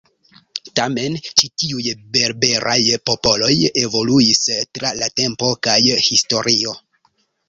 Tamen ĉi tiuj berberaj popoloj evoluis tra la tempo kaj historio.